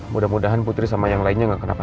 mudah mudahan putri sama yang lainnya gak kenapa